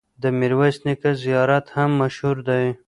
د میرویس نیکه زیارت هم مشهور دی.